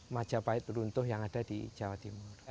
majapahit runtuh yang ada di jawa timur